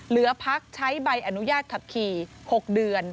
เหลือพักใช้ใบอนุญาตขับขี่๖เดือน